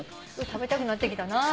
食べたくなってきたなぁ。